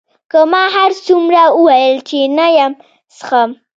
که ما هرڅومره وویل چې نه یې څښم.